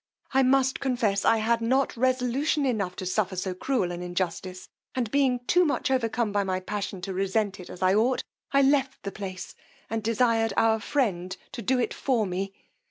I must confess I had not resolution enough to suffer so cruel an injustice, and being too much overcome by my passion to resent it as I ought, I left the place, and desired our friend to do it for me.